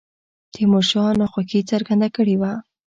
تیمور شاه ناخوښي څرګنده کړې وه.